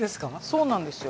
そうなんですよ。